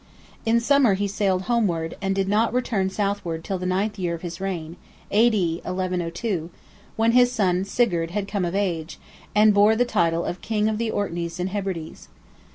In summer he sailed homeward, and did not return southward till the ninth year of his reign (A.D. 1102), when his son, Sigurd, had come of age, and bore the title of "King of the Orkneys and Hebrides."